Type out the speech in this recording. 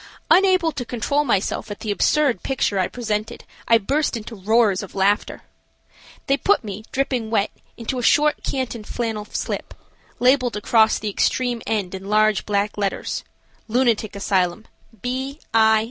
Unable to control myself at the absurd picture I presented, I burst into roars of laughter. They put me, dripping wet, into a short canton flannel slip, labeled across the extreme end in large black letters, "Lunatic Asylum, B. I.